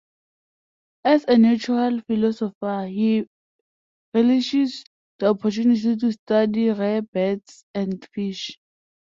As a natural philosopher he relishes the opportunity to study rare birds and fish.